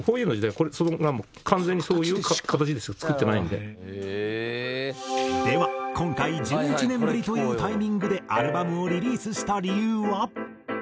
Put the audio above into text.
では今回１１年ぶりというタイミングでアルバムをリリースした理由は？